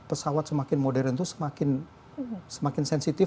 pesawat semakin modern itu semakin sensitif